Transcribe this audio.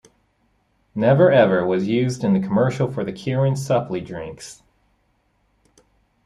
"Never Ever" was used in a commercial for the Kirin Supli drinks.